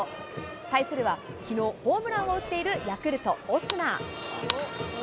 対するは、きのうホームランを打っているヤクルト、オスナ。